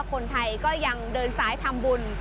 คนไทยก็ยังเดินสายทำบุญ